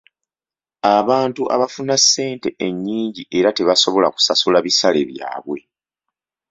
Abantu abafuna ssente ennyingi era tebasobola kusasula bisale byabwe.